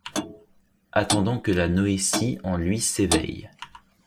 Attendant que la noétie en lui s'éveille.